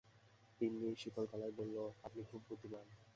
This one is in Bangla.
তিন্নি শীতল গলায় বলল, আপনি খুব বুদ্ধিমান।